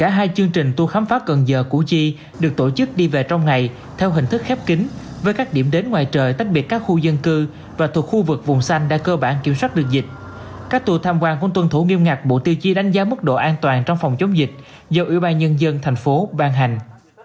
cả hai chương trình tour khám phá cần giờ củ chi được tổ chức đi về trong ngày theo hình thức khép kính với các điểm đến ngoài trời tách biệt các khu dân cư và thuộc khu vực vùng xanh đã cơ bản kiểm soát được dịch các tour tham quan cũng tuân thủ nghiêm ngặt bộ tiêu chí đánh giá mức độ an toàn trong phòng chống dịch do ủy ban nhân dân thành phố ban hành